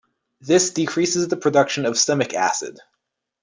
This decreases the production of stomach acid.